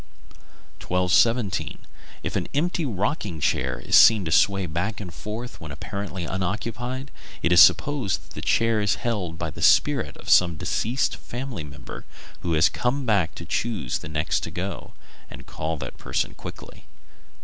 1217. If an empty rocking chair is seen to sway back and forth when apparently unoccupied, it is supposed that the chair is held by the spirit of some deceased member of the family, who has come back to choose the next to go, and call that person quickly.